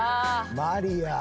マリア！